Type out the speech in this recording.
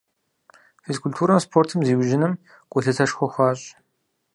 Физкультурэм, спортым зиужьыным гулъытэшхуэ хуащӀ.